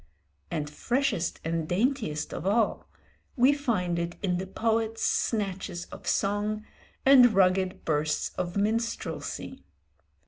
And freshest and daintiest of all, we find it in the poet's snatches of song and rugged bursts of minstrelsy.